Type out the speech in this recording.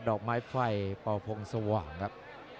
ดอกไม้ไฟปพงสว่างครับ